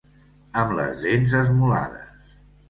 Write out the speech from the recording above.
Amb les dents esmolades.